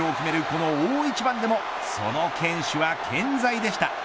この大一番でもその堅守は健在でした。